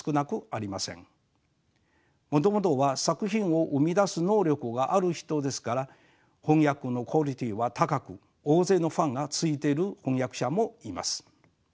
もともとは作品を生み出す能力がある人ですから翻訳のクオリティーは高く大勢のファンがついている翻訳者もいます。